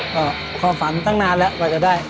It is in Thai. ก็ความฝันตั้งนานแล้วกว่าจะได้